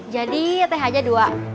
jadi teh aja dua